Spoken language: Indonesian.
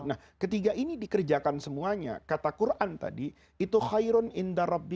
nah ketiga ini dikerjakan oleh allah dan ketiga ini dikerjakan oleh tuhan